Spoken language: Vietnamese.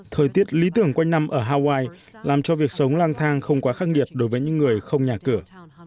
thời tiết lý tưởng quanh năm ở hawaii làm cho việc sống lang thang không quá khắc nghiệt đối với những người không nhà cửa